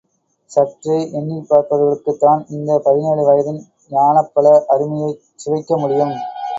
சற்றே எண்ணிப் பார்ப்பவர்களுக்குத் தான் இந்த பதினேழு வயதின் ஞானப்பழ அருமையைச் சுவைக்க முடியும்.